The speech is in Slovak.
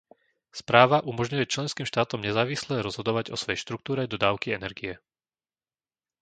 Správa umožňuje členským štátom nezávisle rozhodovať o svojej štruktúre dodávky energie.